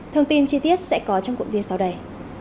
thông tin chi tiết sẽ có trong cuộn ngay sau đây